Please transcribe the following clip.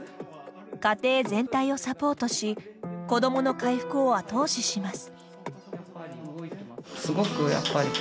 家庭全体をサポートし子どもの回復を後押しします。